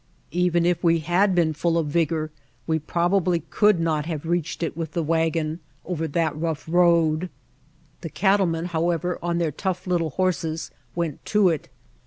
Even if we had been full of vigor we probably could not have reached it with the wagon over [ISO] The Dry Camp that rough ground. The cattlemen, however, on their tough little horses, went to it.